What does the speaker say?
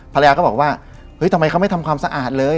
ภรรยาก็บอกว่าเฮ้ยทำไมเขาไม่ทำความสะอาดเลย